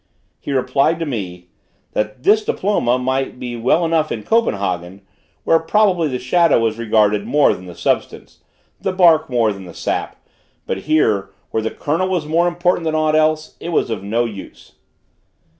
He replied to me, "that this diploma might be well enough in Copenhagen, where probably the shadow was regarded more than the substance: the bark more than the sap; but here, where the kernel was more important than aught else, it was of no use."